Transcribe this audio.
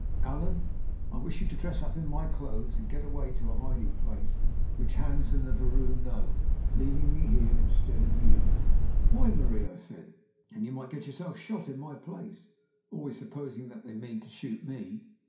"Allan, I wish you to dress up in my clothes and get away to a hiding place which Hans and the vrouw know, leaving me here instead of you." "Why, Marie?" I said. "Then you might get yourself shot in my place, always supposing that they mean to shoot me.